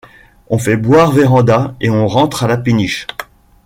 On fait boire Vérand'a et on rentre à la péniche. ..?